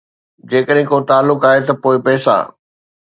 جيڪڏهن ڪو تعلق آهي، ته پوء پئسا